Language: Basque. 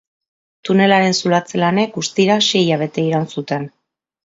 Tunelaren zulatze-lanek guztira sei hilabete iraun zuten.